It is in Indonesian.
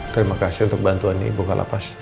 terima kasih untuk bantuan di ibu kalapas